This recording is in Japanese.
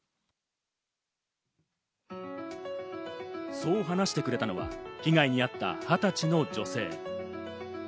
そう話してくれたのは被害に遭った２０歳の女性。